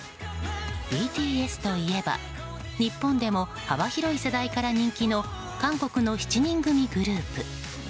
ＢＴＳといえば日本でも幅広い世代から人気の韓国の７人組グループ。